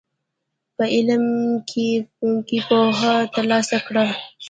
په علم کښېنه، پوهه ترلاسه کړه.